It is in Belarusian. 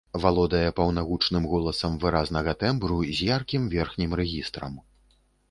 Валодае паўнагучным голасам выразнага тэмбру з яркім верхнім рэгістрам.